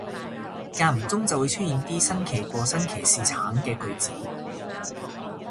間唔中就會出現啲新奇過新奇士橙嘅句子